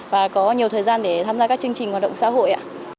và có nhiều thời gian để tham gia các chương trình hoạt động xã hội